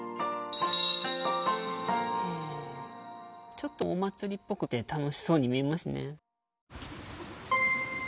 ちょっとお祭りっぽくて楽しそうに見えますね。